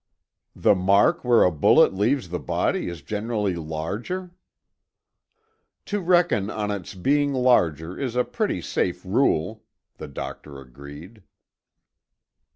"The mark where a bullet leaves the body is generally larger?" "To reckon on its being larger is a pretty safe rule," the doctor agreed.